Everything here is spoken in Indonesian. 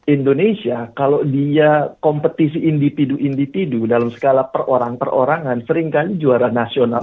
indonesia kalau dia kompetisi individu individu dalam skala per orang per orang kan sering kali juara nasional